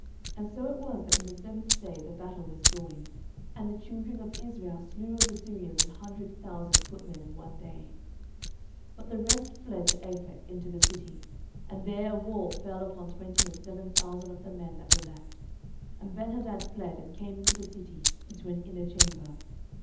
And so it was, that in the seventh day the battle was joined: and the children of Israel slew of the Syrians an hundred thousand footmen in one day. 11:020:030 But the rest fled to Aphek, into the city; and there a wall fell upon twenty and seven thousand of the men that were left. And Benhadad fled, and came into the city, into an inner chamber.